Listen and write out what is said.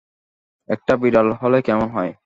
একটা বিড়াল হলে কেমন হয়?